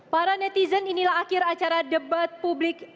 para netizen inilah akhir acara debat publik